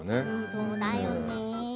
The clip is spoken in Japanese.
そうだね。